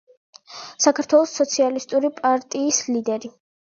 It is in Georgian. საქართველოს სოციალისტური პარტიის ლიდერი.